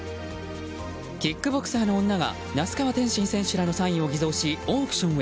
キックボクサーの女が那須川天心選手らのポスターをオークションへ。